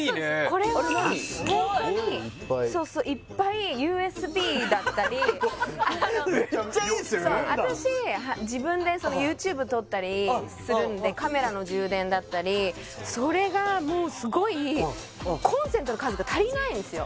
これはホントにいっぱいＵＳＢだったりめっちゃいいっすよ私自分でＹｏｕＴｕｂｅ撮ったりするんでカメラの充電だったりそれがもうすごいコンセントの数が足りないんですよ